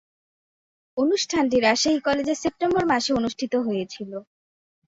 অনুষ্ঠানটি রাজশাহী কলেজে সেপ্টেম্বর মাসে অনুষ্ঠিত হয়েছিলো।